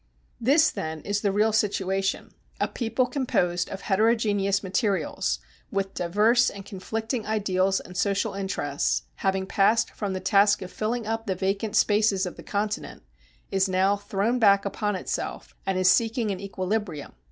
This, then, is the real situation: a people composed of heterogeneous materials, with diverse and conflicting ideals and social interests, having passed from the task of filling up the vacant spaces of the continent, is now thrown back upon itself, and is seeking an equilibrium.